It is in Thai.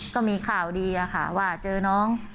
ก็มีข่าวดีค่ะว่าเจอน้อง